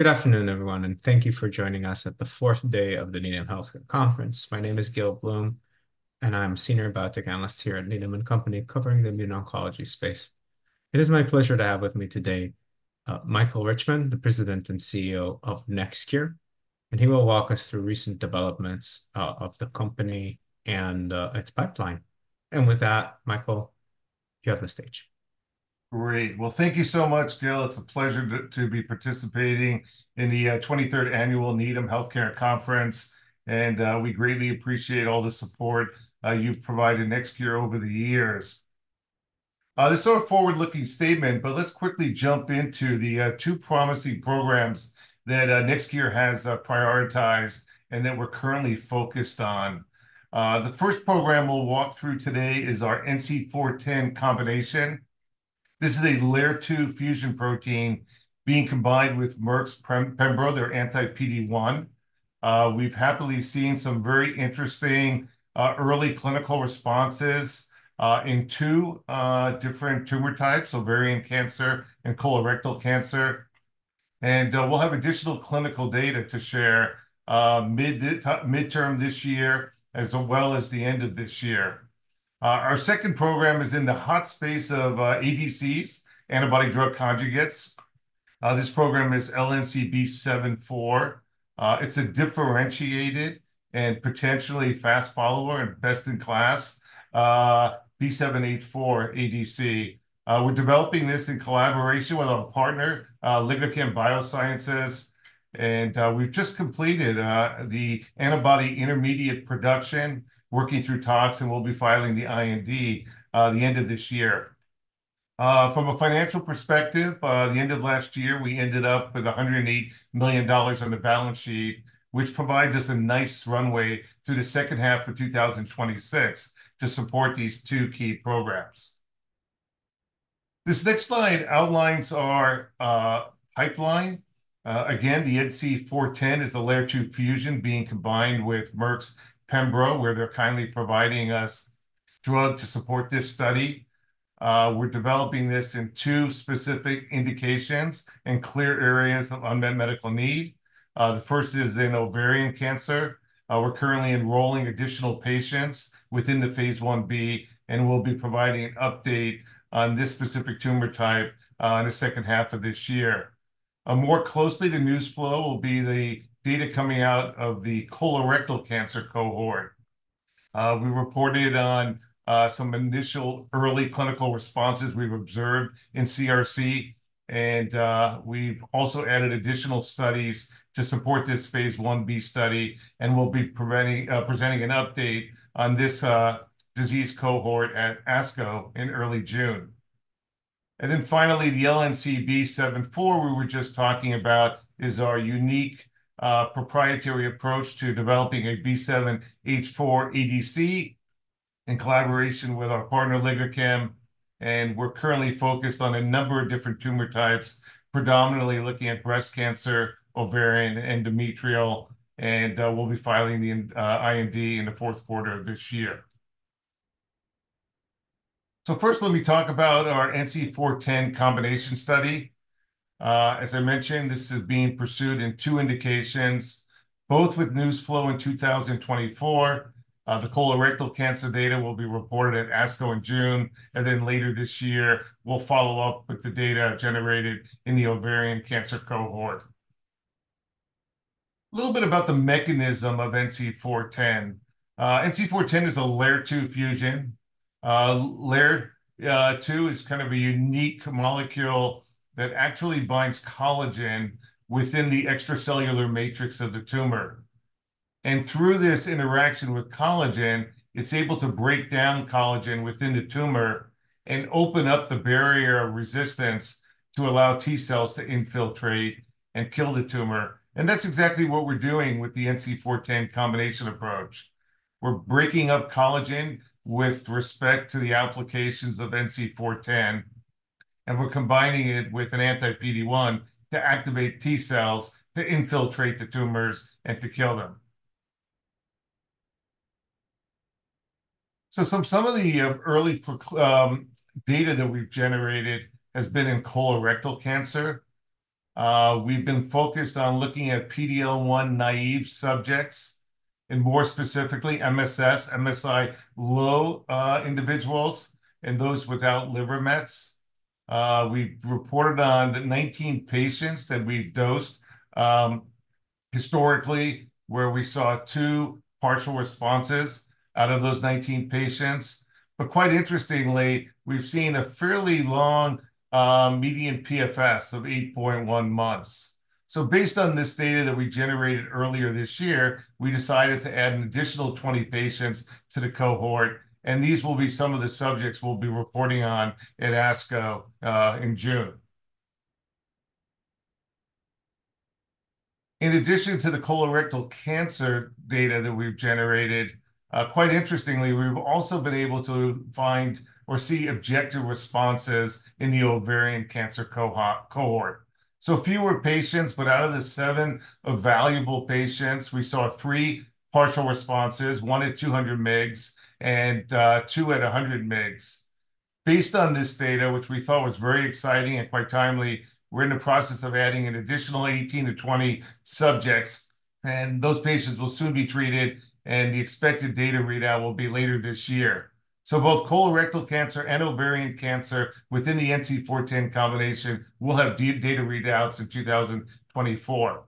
Good afternoon, everyone, and thank you for joining us at the 4th day of the Needham Healthcare Conference. My name is Gil Blum. I'm a Senior Biotech Analyst here at Needham & Company, covering the immune oncology space. It is my pleasure to have with me today Michael Richman, the President and CEO of NextCure. He will walk us through recent developments of the company and its pipeline. With that, Michael, you have the stage. Great. Well, thank you so much, Gil. It's a pleasure to be participating in the 23rd Annual Needham Healthcare Conference. We greatly appreciate all the support you've provided NextCure over the years. This is a forward-looking statement, but let's quickly jump into the two promising programs that NextCure has prioritized and that we're currently focused on. The first program we'll walk through today is our NC410 combination. This is a LAIR-2 fusion protein being combined with Merck's Pembro, their anti-PD-1. We've happily seen some very interesting early clinical responses in two different tumor types, so ovarian cancer and colorectal cancer. We'll have additional clinical data to share mid-term this year, as well as the end of this year. Our second program is in the hot space of ADCs, antibody-drug conjugates. This program is LNCB74. It's a differentiated and potentially fast follower and best in class, B7-H4 ADC. We're developing this in collaboration with our partner, LigaChem Biosciences. We've just completed the antibody intermediate production, working through talks, and we'll be filing the IND the end of this year. From a financial perspective, the end of last year we ended up with $108 million on the balance sheet, which provides us a nice runway through the H2 of 2026 to support these two key programs. This next slide outlines our pipeline. Again, the NC410 is the LAIR-2 fusion being combined with Merck's Pembro, where they're kindly providing us drug to support this study. We're developing this in two specific indications and clear areas of unmet medical need. The first is in ovarian cancer. We're currently enrolling additional patients within the phase I-B, and we'll be providing an update on this specific tumor type in the H2 of this year. More closely to news flow will be the data coming out of the colorectal cancer cohort. We reported on some initial early clinical responses we've observed in CRC. And we've also added additional studies to support this phase I-B study, and we'll be presenting an update on this disease cohort at ASCO in early June. And then finally, the LNCB74 we were just talking about is our unique proprietary approach to developing a B7-H4 ADC. In collaboration with our partner LigaChem. And we're currently focused on a number of different tumor types, predominantly looking at breast cancer, ovarian, endometrial, and we'll be filing the IND in the Q4 of this year. First, let me talk about our NC410 combination study. As I mentioned, this is being pursued in two indications. Both with news flow in 2024. The colorectal cancer data will be reported at ASCO in June, and then later this year we'll follow up with the data generated in the ovarian cancer cohort. A little bit about the mechanism of NC410. NC410 is a LAIR-2 fusion. LAIR-2 is kind of a unique molecule that actually binds collagen within the extracellular matrix of the tumor. Through this interaction with collagen, it's able to break down collagen within the tumor. Open up the barrier of resistance to allow T cells to infiltrate and kill the tumor. That's exactly what we're doing with the NC410 combination approach. We're breaking up collagen with respect to the applications of NC410. We're combining it with an anti-PD-1 to activate T cells to infiltrate the tumors and to kill them. Some of the early data that we've generated has been in colorectal cancer. We've been focused on looking at PD-L1-naive subjects. More specifically, MSS, MSI-low individuals and those without liver mets. We've reported on the 19 patients that we've dosed historically where we saw two partial responses out of those 19 patients. But quite interestingly, we've seen a fairly long median PFS of 8.1 months. Based on this data that we generated earlier this year, we decided to add an additional 20 patients to the cohort, and these will be some of the subjects we'll be reporting on at ASCO in June. In addition to the colorectal cancer data that we've generated, quite interestingly, we've also been able to find or see objective responses in the ovarian cancer cohort. So fewer patients, but out of the seven evaluable patients, we saw three partial responses, one at 200 mg and two at 100 mg. Based on this data, which we thought was very exciting and quite timely, we're in the process of adding an additional 18-20 subjects. And those patients will soon be treated, and the expected data readout will be later this year. So both colorectal cancer and ovarian cancer within the NC410 combination will have data readouts in 2024.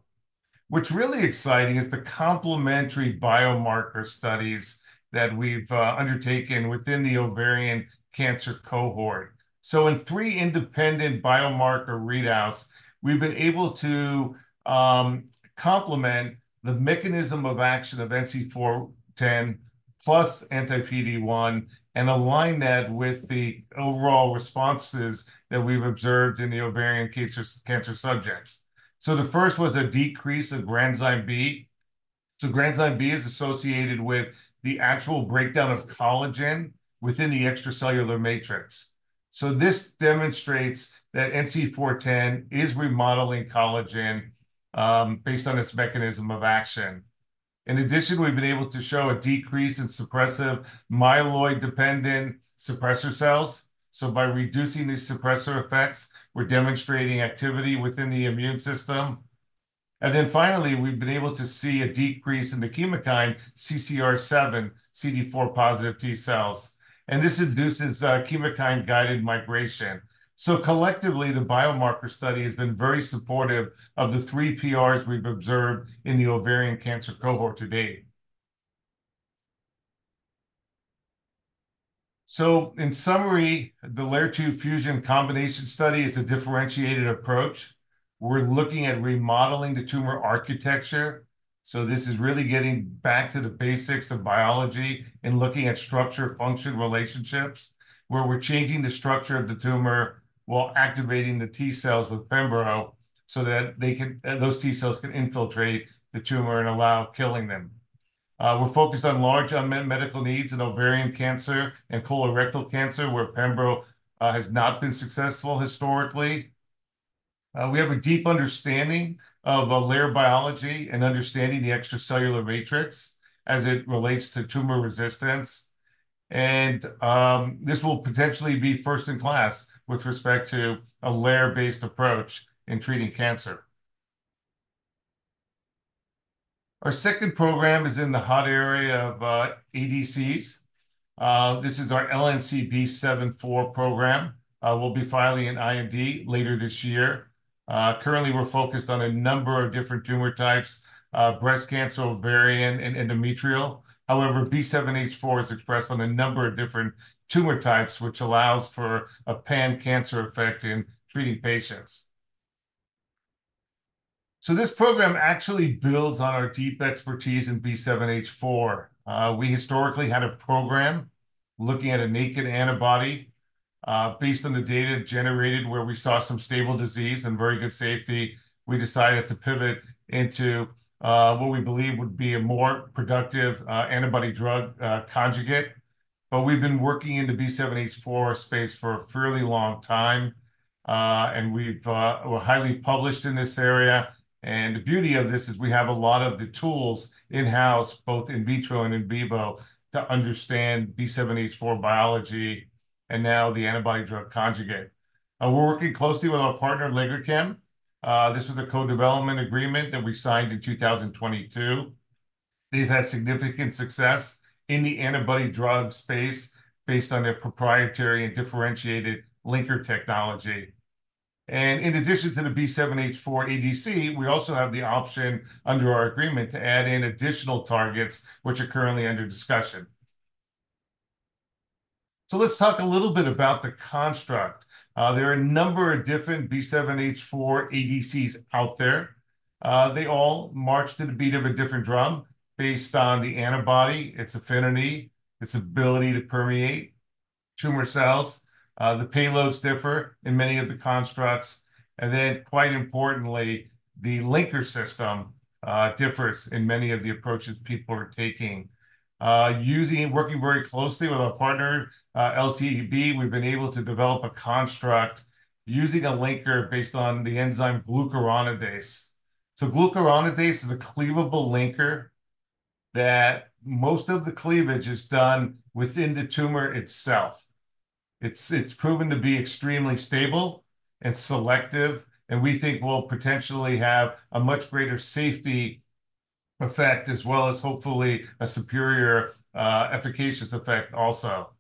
What's really exciting is the complementary biomarker studies that we've undertaken within the ovarian cancer cohort. So in three independent biomarker readouts, we've been able to complement the mechanism of action of NC410 plus anti-PD-1 and align that with the overall responses that we've observed in the ovarian cancer subjects. So the first was a decrease of granzyme B. So granzyme B is associated with the actual breakdown of collagen within the extracellular matrix. So this demonstrates that NC410 is remodeling collagen, based on its mechanism of action. In addition, we've been able to show a decrease in suppressive myeloid-derived suppressor cells. So by reducing these suppressor effects, we're demonstrating activity within the immune system. And then finally, we've been able to see a decrease in the chemokine CCR7 CD4+ T cells. And this induces chemokine-guided migration. So collectively, the biomarker study has been very supportive of the 3 PRs we've observed in the ovarian cancer cohort to date. So in summary, the LAIR-2 fusion combination study is a differentiated approach. We're looking at remodeling the tumor architecture. So this is really getting back to the basics of biology and looking at structure function relationships. Where we're changing the structure of the tumor while activating the T cells with Pembro so that they can, those T cells can infiltrate the tumor and allow killing them. We're focused on large unmet medical needs in ovarian cancer and colorectal cancer where Pembro has not been successful historically. We have a deep understanding of LAIR biology and understanding the extracellular matrix as it relates to tumor resistance. This will potentially be first in class with respect to a LAIR-based approach in treating cancer. Our second program is in the hot area of ADCs. This is our LNCB74 program. We'll be filing an IND later this year. Currently we're focused on a number of different tumor types, breast cancer, ovarian, and endometrial. However, B7-H4 is expressed on a number of different tumor types, which allows for a pan cancer effect in treating patients. So this program actually builds on our deep expertise in B7-H4. We historically had a program looking at a naked antibody. Based on the data generated where we saw some stable disease and very good safety, we decided to pivot into what we believe would be a more productive antibody drug conjugate. But we've been working in the B7-H4 space for a fairly long time, and we're highly published in this area. And the beauty of this is we have a lot of the tools in-house, both in vitro and in vivo, to understand B7-H4 biology. And now the antibody drug conjugate. We're working closely with our partner LigaChem. This was a co-development agreement that we signed in 2022. They've had significant success in the antibody drug space based on their proprietary and differentiated linker technology. And in addition to the B7-H4 ADC, we also have the option under our agreement to add in additional targets, which are currently under discussion. So let's talk a little bit about the construct. There are a number of different B7-H4 ADCs out there. They all march to the beat of a different drum based on the antibody. It's affinity. It's ability to permeate tumor cells. The payloads differ in many of the constructs. And then quite importantly, the linker system differs in many of the approaches people are taking. Working very closely with our partner, LCB, we've been able to develop a construct. Using a linker based on the enzyme glucuronidase. So glucuronidase is a cleavable linker. That most of the cleavage is done within the tumor itself. It's proven to be extremely stable. And selective, and we think we'll potentially have a much greater safety effect as well as hopefully a superior, efficacious effect also.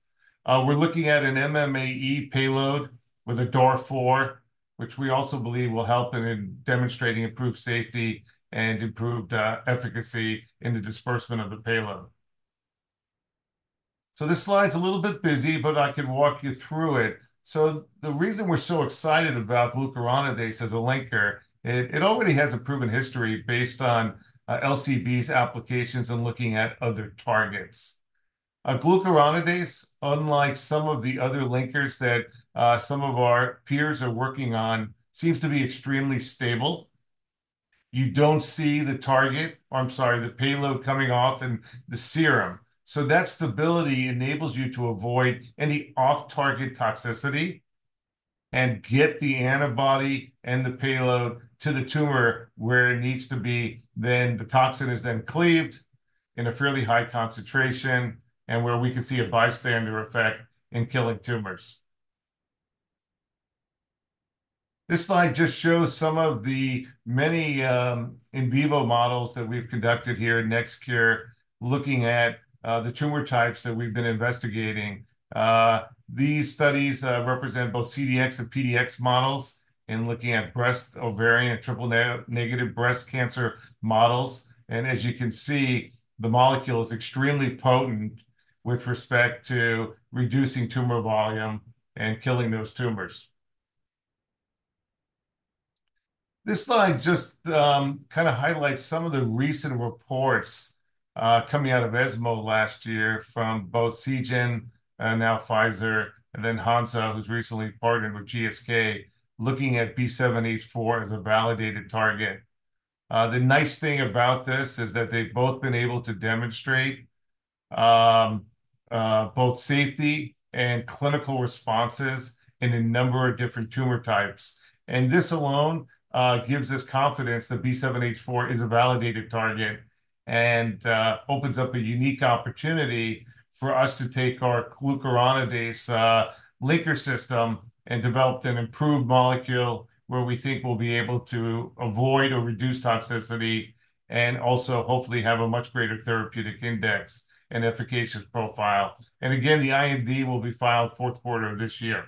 We're looking at an MMAE payload with a DAR 4. Which we also believe will help in demonstrating improved safety and improved efficacy in the dispersement of the payload. So this slide's a little bit busy, but I can walk you through it. So the reason we're so excited about glucuronidase as a linker, it already has a proven history based on LCB's applications and looking at other targets. Glucuronidase, unlike some of the other linkers that some of our peers are working on, seems to be extremely stable. You don't see the target, or I'm sorry, the payload coming off and the serum. So that stability enables you to avoid any off-target toxicity and get the antibody and the payload to the tumor where it needs to be, then the toxin is then cleaved in a fairly high concentration and where we can see a bystander effect in killing tumors. This slide just shows some of the many in vivo models that we've conducted here at NextCure, looking at the tumor types that we've been investigating. These studies represent both CDX and PDX models and looking at breast, ovarian, and triple negative breast cancer models. And as you can see, the molecule is extremely potent with respect to reducing tumor volume and killing those tumors. This slide just kind of highlights some of the recent reports. Coming out of ESMO last year from both Seagen and now Pfizer and then Hansoh, who's recently partnered with GSK, looking at B7-H4 as a validated target. The nice thing about this is that they've both been able to demonstrate both safety and clinical responses in a number of different tumor types. And this alone gives us confidence that B7-H4 is a validated target. And opens up a unique opportunity for us to take our glucuronidase linker system and develop an improved molecule where we think we'll be able to avoid or reduce toxicity. And also hopefully have a much greater therapeutic index and efficacious profile. And again, the IND will be filed Q4 of this year.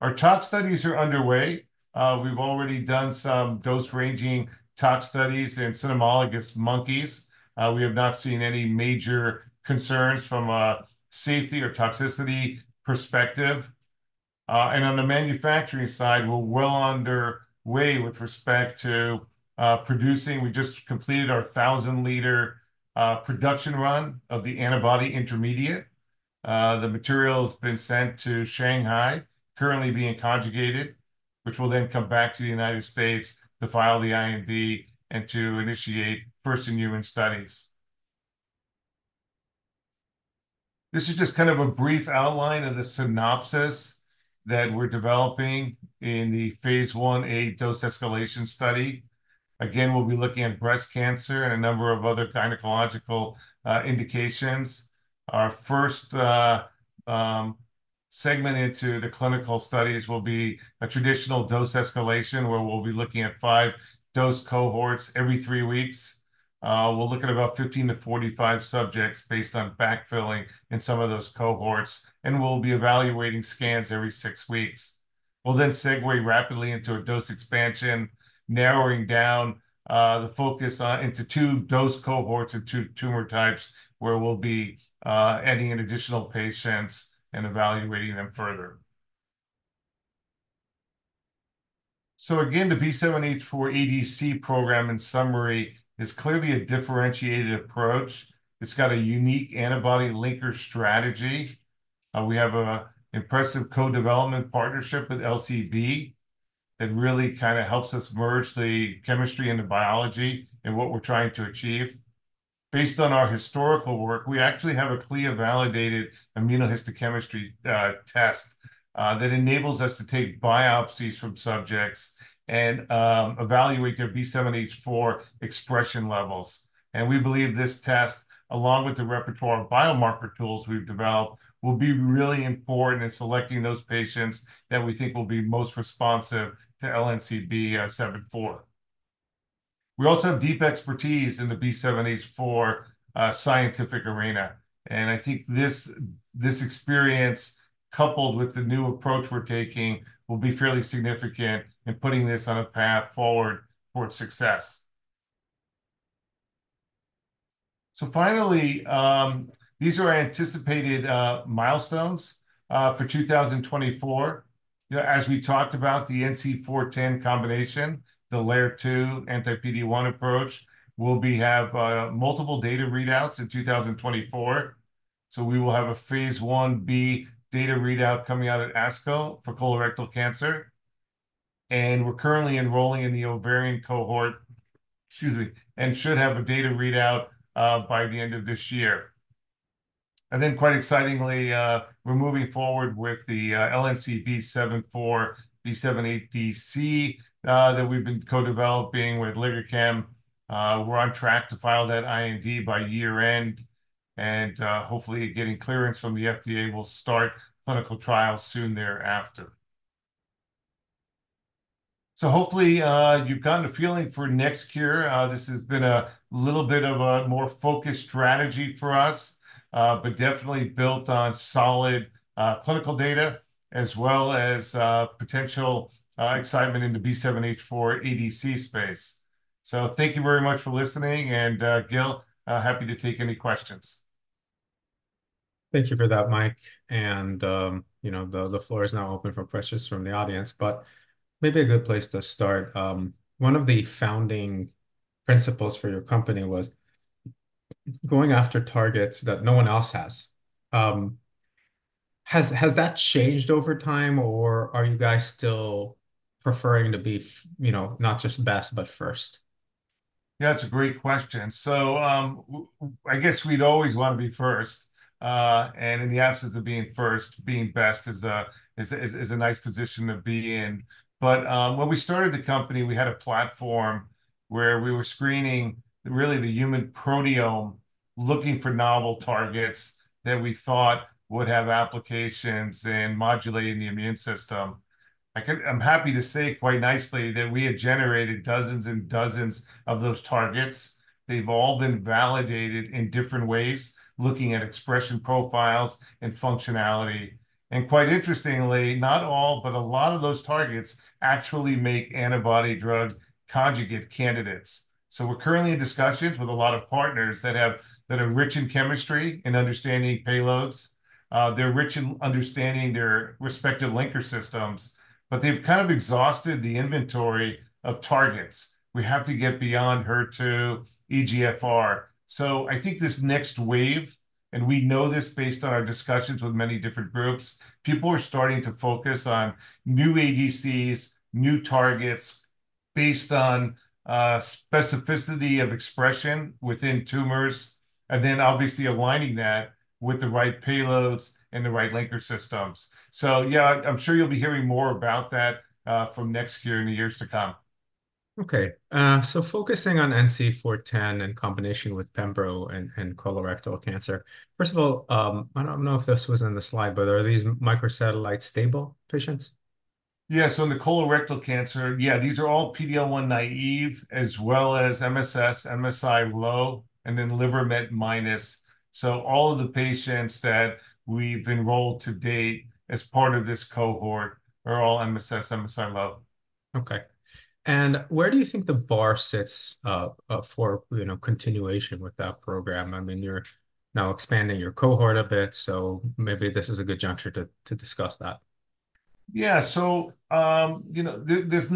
Our tox studies are underway. We've already done some dose ranging tox studies in cynomolgus monkeys. We have not seen any major concerns from a safety or toxicity perspective. And on the manufacturing side, we're well underway with respect to producing. We just completed our 1,000-L production run of the antibody intermediate. The material has been sent to Shanghai, currently being conjugated. Which will then come back to the United States to file the IND and to initiate first in human studies. This is just kind of a brief outline of the synopsis that we're developing in the phase I-A dose escalation study. Again, we'll be looking at breast cancer and a number of other gynecological indications. Our first segment into the clinical studies will be a traditional dose escalation where we'll be looking at five dose cohorts every three weeks. We'll look at about 15-45 subjects based on backfilling in some of those cohorts, and we'll be evaluating scans every six weeks. We'll then segue rapidly into a dose expansion, narrowing down the focus on into two dose cohorts and two tumor types where we'll be adding an additional patients and evaluating them further. So again, the B7-H4 ADC program in summary is clearly a differentiated approach. It's got a unique antibody linker strategy. We have an impressive co-development partnership with LCB. That really kind of helps us merge the chemistry and the biology and what we're trying to achieve. Based on our historical work, we actually have a CLIA validated immunohistochemistry test that enables us to take biopsies from subjects and evaluate their B7-H4 expression levels. And we believe this test, along with the repertoire of biomarker tools we've developed, will be really important in selecting those patients that we think will be most responsive to LNCB74. We also have deep expertise in the B7-H4 scientific arena. And I think this, this experience, coupled with the new approach we're taking, will be fairly significant in putting this on a path forward towards success. So finally, these are our anticipated milestones for 2024. You know, as we talked about the NC410 combination, the LAIR-2 anti-PD-1 approach, we'll have multiple data readouts in 2024. So we will have a phase I-B data readout coming out at ASCO for colorectal cancer. And we're currently enrolling in the ovarian cohort. Excuse me, and should have a data readout by the end of this year. And then quite excitingly, we're moving forward with the LNCB74 B7-H4 ADC that we've been co-developing with LigaChem. We're on track to file that IND by year-end. And hopefully getting clearance from the FDA will start clinical trials soon thereafter. So hopefully, you've gotten a feeling for NextCure. This has been a little bit of a more focused strategy for us, but definitely built on solid clinical data as well as potential excitement into the B7-H4 ADC space. So thank you very much for listening, and Gil, happy to take any questions. Thank you for that, Mike. And you know, the floor is now open for questions from the audience, but maybe a good place to start. One of the founding principles for your company was going after targets that no one else has. Has that changed over time or are you guys still preferring to be, you know, not just best but first? Yeah, that's a great question. So, I guess we'd always want to be first. And in the absence of being first, being best is a nice position to be in. But when we started the company, we had a platform where we were screening really the human proteome. Looking for novel targets that we thought would have applications in modulating the immune system. I'm happy to say quite nicely that we had generated dozens and dozens of those targets. They've all been validated in different ways, looking at expression profiles and functionality. And quite interestingly, not all, but a lot of those targets actually make antibody drug conjugate candidates. So we're currently in discussions with a lot of partners that have that are rich in chemistry and understanding payloads. They're rich in understanding their respective linker systems. But they've kind of exhausted the inventory of targets. We have to get beyond HER2, EGFR. So I think this next wave, and we know this based on our discussions with many different groups, people are starting to focus on new ADCs, new targets. Based on specificity of expression within tumors. And then obviously aligning that with the right payloads and the right linker systems. So yeah, I'm sure you'll be hearing more about that from NextCure in the years to come. Okay, so focusing on NC410 in combination with Pembro and and colorectal cancer. First of all, I don't know if this was on the slide, but are these microsatellite stable patients? Yeah, so in the colorectal cancer, yeah, these are all PD-L1 naive as well as MSS, MSI low, and then liver met minus. So all of the patients that we've enrolled to date as part of this cohort are all MSS, MSI low. Okay. And where do you think the bar sits, for, you know, continuation with that program? I mean, you're now expanding your cohort a bit, so maybe this is a good juncture to discuss that. Yeah, so, you know, there's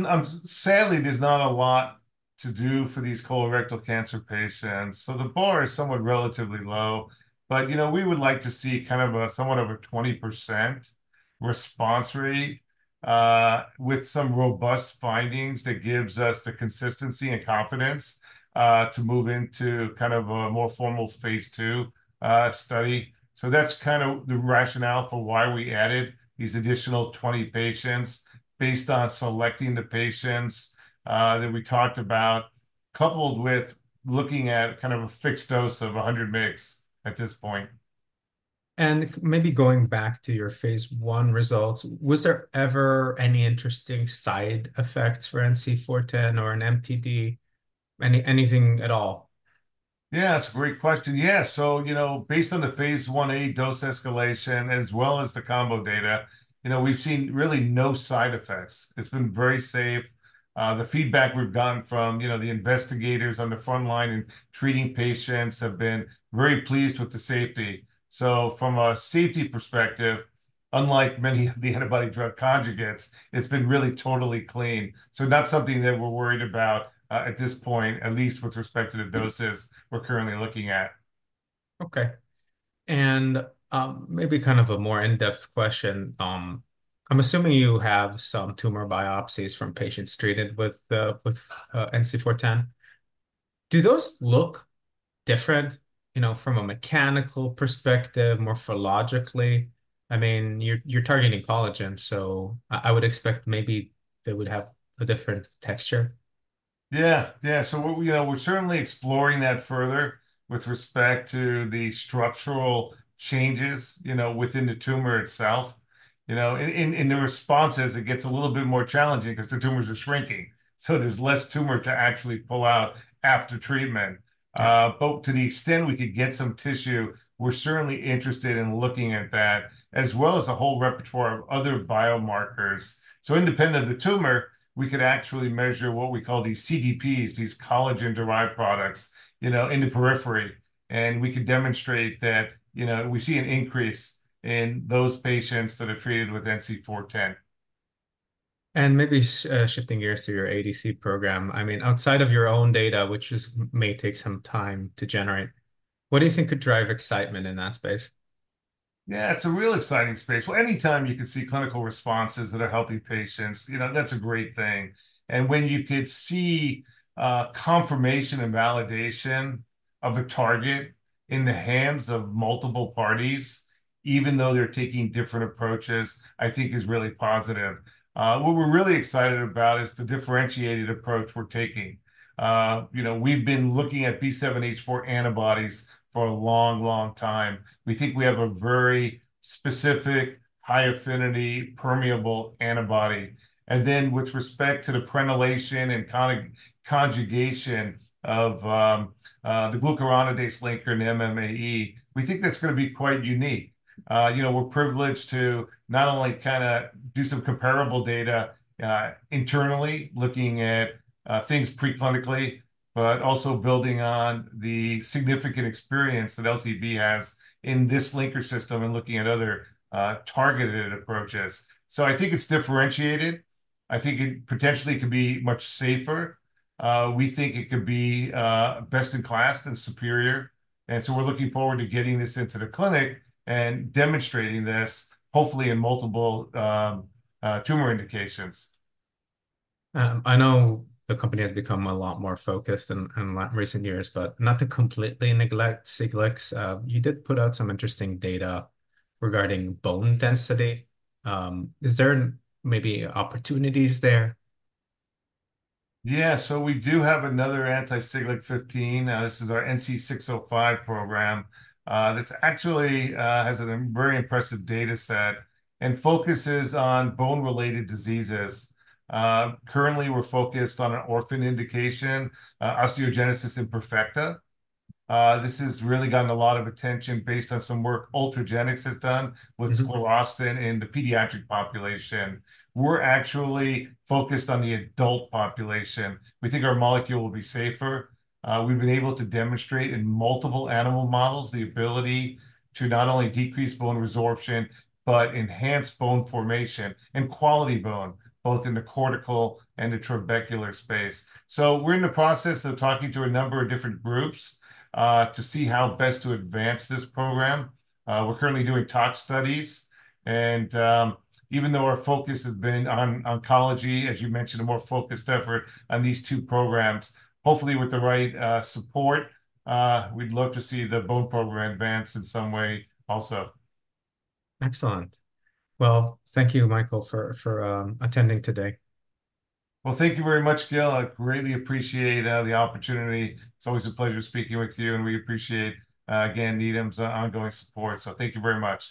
sadly not a lot to do for these colorectal cancer patients. So the bar is somewhat relatively low. But, you know, we would like to see kind of a somewhat over 20% response rate with some robust findings that gives us the consistency and confidence, to move into kind of a more formal phase II study. So that's kind of the rationale for why we added these additional 20 patients based on selecting the patients that we talked about. Coupled with looking at kind of a fixed dose of 100 mg at this point. And maybe going back to your phase I results, was there ever any interesting side effects for NC410 or an MTD? Anything at all? Yeah, that's a great question. Yeah, so, you know, based on the phase I-A dose escalation as well as the combo data, you know, we've seen really no side effects. It's been very safe. The feedback we've gotten from, you know, the investigators on the front line and treating patients have been very pleased with the safety. So from a safety perspective, unlike many of the antibody-drug conjugates, it's been really totally clean. So not something that we're worried about, at this point, at least with respect to the doses we're currently looking at. Okay. And, maybe kind of a more in-depth question. I'm assuming you have some tumor biopsies from patients treated with NC410. Do those look different, you know, from a mechanical perspective, morphologically? I mean, you're targeting collagen, so I would expect maybe they would have a different texture. Yeah, yeah, so what we know we're certainly exploring that further with respect to the structural changes, you know, within the tumor itself. You know, in the responses, it gets a little bit more challenging because the tumors are shrinking. So there's less tumor to actually pull out after treatment. But to the extent we could get some tissue, we're certainly interested in looking at that as well as the whole repertoire of other biomarkers. So independent of the tumor, we could actually measure what we call these CDPs, these collagen-derived products, you know, in the periphery. And we could demonstrate that, you know, we see an increase in those patients that are treated with NC410. And maybe, shifting gears to your ADC program. I mean, outside of your own data, which may take some time to generate. What do you think could drive excitement in that space? Yeah, it's a real exciting space. Well, anytime you could see clinical responses that are helping patients, you know, that's a great thing. And when you could see confirmation and validation of a target in the hands of multiple parties, even though they're taking different approaches, I think is really positive. What we're really excited about is the differentiated approach we're taking. You know, we've been looking at B7-H4 antibodies for a long, long time. We think we have a very specific high affinity permeable antibody. And then with respect to the prenylation and conjugation of the glucuronidase linker and MMAE, we think that's going to be quite unique. You know, we're privileged to not only kind of do some comparable data, internally looking at things preclinically, but also building on the significant experience that LCB has in this linker system and looking at other targeted approaches. So I think it's differentiated. I think it potentially could be much safer. We think it could be best in class and superior. And so we're looking forward to getting this into the clinic and demonstrating this, hopefully in multiple tumor indications. I know the company has become a lot more focused in recent years, but not to completely neglect Siglec-15. You did put out some interesting data regarding bone density. Is there maybe opportunities there? Yeah, so we do have another anti-Siglec-15. This is our NC605 program. That's actually has a very impressive data set and focuses on bone-related diseases. Currently we're focused on an orphan indication, osteogenesis imperfecta. This has really gotten a lot of attention based on some work Ultragenyx has done with sclerostin in the pediatric population. We're actually focused on the adult population. We think our molecule will be safer. We've been able to demonstrate in multiple animal models the ability to not only decrease bone resorption, but enhance bone formation and quality bone, both in the cortical and the trabecular space. So we're in the process of talking to a number of different groups, to see how best to advance this program. We're currently doing tox studies. Even though our focus has been on oncology, as you mentioned, a more focused effort on these two programs, hopefully with the right support, we'd love to see the bone program advance in some way also. Excellent. Well, thank you, Michael, for attending today. Well, thank you very much, Gil. I greatly appreciate the opportunity. It's always a pleasure speaking with you, and we appreciate again Needham's ongoing support. So thank you very much.